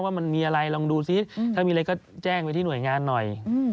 ว่ามันมีอะไรลองดูซิถ้ามีอะไรก็แจ้งไปที่หน่วยงานหน่อย